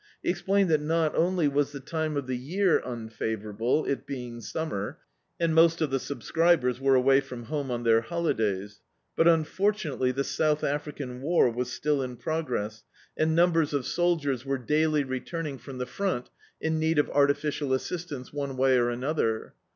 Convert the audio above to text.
He explained that not only was the time of the year unfavourable, it being summer, and most of the subscribers were away from home on their holidays — but, unfortunately, the South Afri can war was still in progress, and numbers of sol Dictzed by Google The Autobiography of a Super Tramp diers were daily returning from the front in need of artificial assistance oat way or another.